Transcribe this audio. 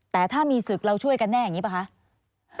แต่ถ้ามีศึกเราช่วยกันแน่อย่างนี้ป่ะคะ